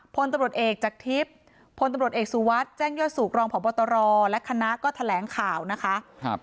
พตเจากทิศพตเสุวัสดิ์แจ้งยศูกรองพบตรและคณะก็แถลงข่าวนะคะ